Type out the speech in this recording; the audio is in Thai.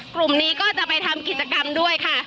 กลุ่มนี้ก็จะไปทำกิจกรรมด้วยค่ะ